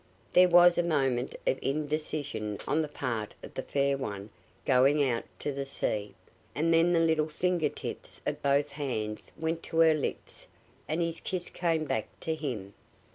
There was a moment of indecision on the part of the fair one going out to sea, and then the little finger tips of both hands went to her lips and his kiss came back to him!